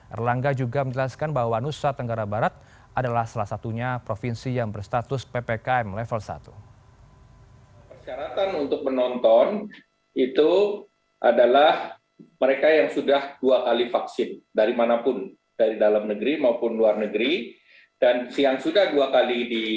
erlangga juga menjelaskan bahwa nusa tenggara barat adalah salah satunya provinsi yang berstatus ppkm level satu